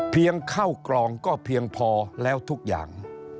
เข้ากล่องก็เพียงพอแล้วทุกอย่าง